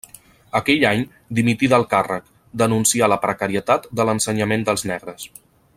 Aquell any dimití del càrrec; denuncià la precarietat de l'ensenyament dels negres.